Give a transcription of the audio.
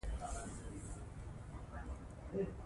افغانستان د کندهار له پلوه متنوع ولایت دی.